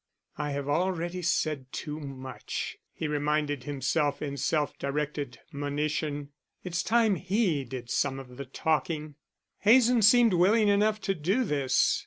"I have already said too much," he reminded himself in self directed monition. "It's time he did some of the talking." Hazen seemed willing enough to do this.